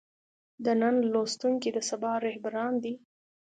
د نن لوستونکي د سبا رهبران دي.